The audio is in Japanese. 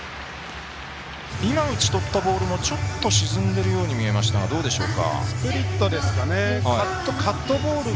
今、打ち取ったボールもちょっと沈んだように見えましたがどうでしょうか。